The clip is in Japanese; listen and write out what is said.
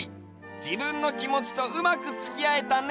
じぶんのきもちとうまくつきあえたね！